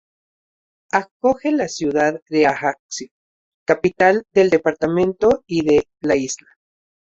Acoge la ciudad de Ajaccio, capital del departamento y de la isla.